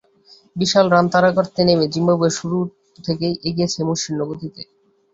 বিশাল run তাড়া করতে নেমে জিম্বাবুয়ে শুরু থেকেই এগিয়েছে মসৃণ গতিতে।